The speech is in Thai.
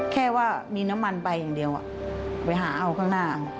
แค่ว่ามีน้ำมันใบอย่างเดียวไปหาเอาข้างหน้า